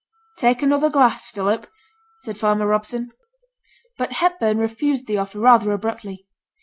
'Take another glass, Philip,' said farmer Robson. But Hepburn refused the offer rather abruptly.